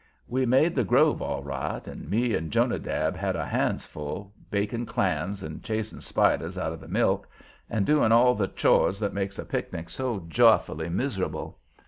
We made the grove all right, and me and Jonadab had our hands full, baking clams and chasing spiders out of the milk, and doing all the chores that makes a picnic so joyfully miserable.